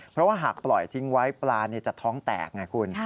เพราะว่าหากปล่อยทิ้งไว้ปลาจะท้องแตกไงคุณ